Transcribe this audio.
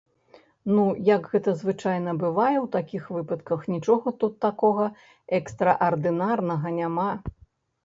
Ну, як гэта звычайна бывае ў такіх выпадках, нічога тут такога экстраардынарнага няма.